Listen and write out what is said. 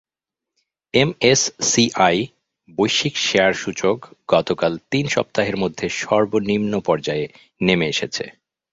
MSCI বৈশ্বিক share সূচক গতকাল তিন সপ্তাহের মধ্যে সর্বনিম্ন পর্যায়ে নেমে এসেছে।